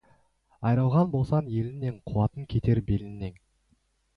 Айрылған болсаң еліңнен, қуатың кетер беліңнен.